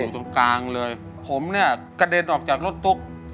ตรงกลางเลยผมเนี่ยกระเด็นออกจากรถตุ๊ก